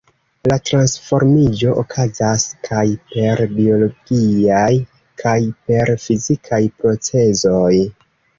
La transformiĝo okazas kaj per biologiaj kaj per fizikaj procezoj.